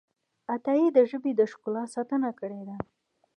عطايي د ژبې د ښکلا ساتنه کړې ده.